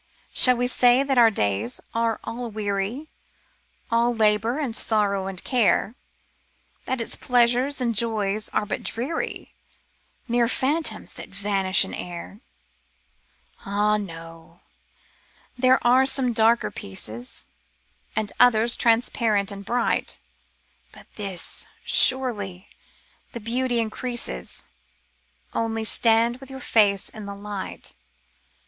Shall we say that our days are all weary ? All labour, and sorrow, and care. That its pleasures and joys are but dreary, Mere phantoms that vanish in air ? 300 The Philosopher's Stone Ah, no ! there are some darker pieces, And others transparent and bright ; But this, surely, the beauty increases, — Only — stand with your face to the light.